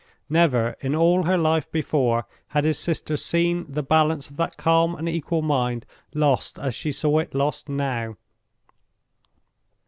Never, in all her life before, had his sister seen the balance of that calm and equal mind lost as she saw it lost now.